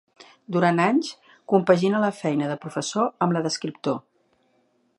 Durant anys compagina la feina de professor amb la d'escriptor.